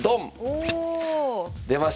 おお！出ました。